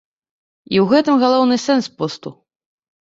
І ў гэтым галоўны сэнс посту.